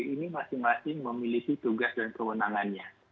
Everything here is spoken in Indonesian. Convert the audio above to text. ini masing masing memiliki tugas dan kewenangannya